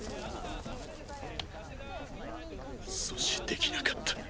阻止できなかった。